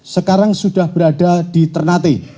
sekarang sudah berada di ternate